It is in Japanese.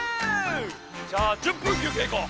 じゃあ１０分きゅうけいいこう！